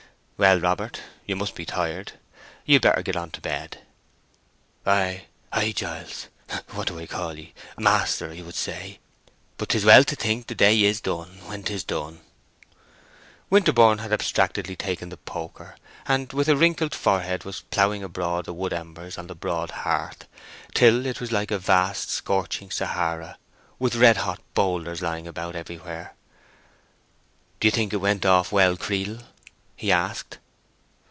"Well, Robert, you must be tired. You'd better get on to bed." "Ay, ay, Giles—what do I call ye? Maister, I would say. But 'tis well to think the day is done, when 'tis done." Winterborne had abstractedly taken the poker, and with a wrinkled forehead was ploughing abroad the wood embers on the broad hearth, till it was like a vast scorching Sahara, with red hot bowlders lying about everywhere. "Do you think it went off well, Creedle?" he asked.